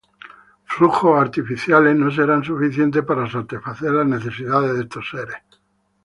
Flujos artificiales no serán suficientes para satisfacer las necesidades de estos seres.